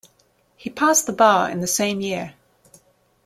He passed the Bar in the same year.